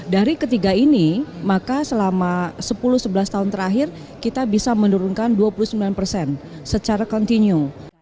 dari ketiga ini maka selama sepuluh sebelas tahun terakhir kita bisa menurunkan dua puluh sembilan persen secara kontinu